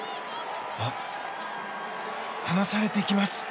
あ、離されていきます。